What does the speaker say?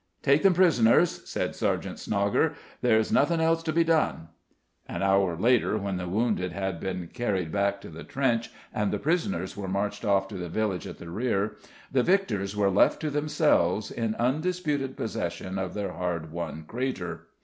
"Take them prisoners," said Sergeant Snogger. "There's nothing else to be done." An hour later when the wounded had been carried back to the trench and the prisoners were marched off to the village at the rear, the victors were left to themselves, in undisputed possession of their hard won crater.